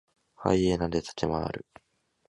ハイエナで立ち回る。